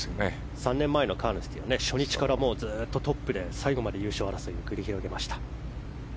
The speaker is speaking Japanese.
３年前のカーヌスティでは初日からトップで、最後まで優勝争いを繰り広げました。